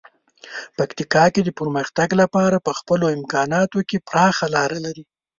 پکتیکا د پرمختګ لپاره په خپلو امکاناتو کې پراخه لاره لري.